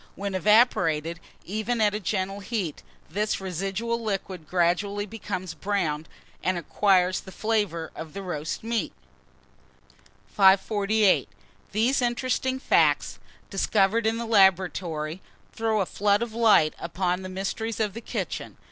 When evaporated, even at a gentle heat, this residual liquid gradually becomes brown, and acquires the flavour of roast meat. 548. THESE INTERESTING FACTS, discovered in the laboratory, throw a flood of light upon the mysteries of the kitchen.